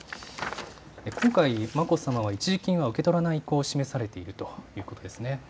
今回、眞子さまは一時金は受け取らない意向を示されているということですね。